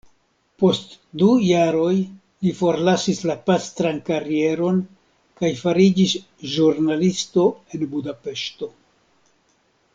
Post du jaroj li forlasis la pastran karieron, kaj fariĝis ĵurnalisto en Budapeŝto.